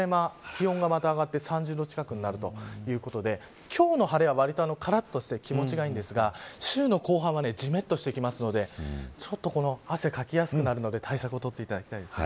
気温がまた上がって３０度近くになるということで今日の晴れは、わりとからっとして気持ちがいいんですが週の後半はじめっとしてくるのでちょっと汗をかきやすくなるので対策を取っていただきたいです。